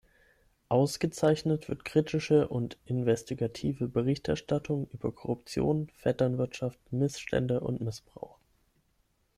Ausgezeichnet wird kritische und investigative Berichterstattung über Korruption, Vetternwirtschaft, Missstände und Missbrauch.